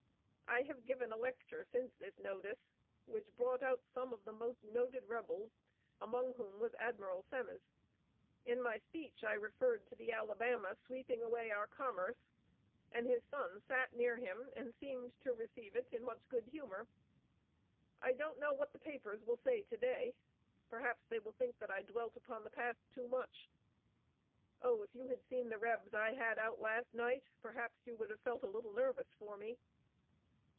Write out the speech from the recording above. I have given a lecture since this notice, which brought out some of the most noted rebels, among whom was Admiral Semmes. In my speech I referred to the Alabama sweeping away our commerce, and his son sat near him and seemed to receive it with much good humor. I don't know what the papers will say to day; perhaps they will think that I dwelt upon the past too much. Oh, if you had seen the rebs I had out last night, perhaps you would have felt a little nervous for me.